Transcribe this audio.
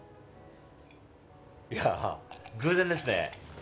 いやあ偶然ですね。